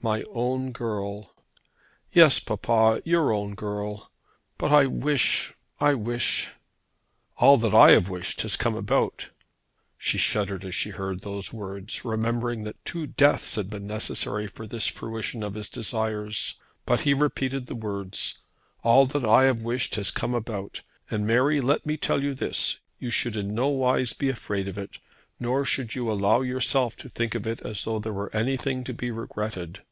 My own girl!" "Yes, papa, your own girl. But I wish, I wish " "All that I have wished has come about." She shuddered as she heard these words, remembering that two deaths had been necessary for this fruition of his desires. But he repeated his words. "All that I have wished has come about. And, Mary, let me tell you this; you should in no wise be afraid of it, nor should you allow yourself to think of it as though there were anything to be regretted.